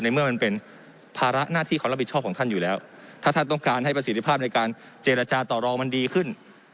เมื่อมันเป็นภาระหน้าที่ความรับผิดชอบของท่านอยู่แล้วถ้าท่านต้องการให้ประสิทธิภาพในการเจรจาต่อรองมันดีขึ้น